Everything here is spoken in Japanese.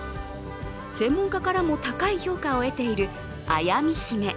専門家からも高い評価を得ている綾美姫。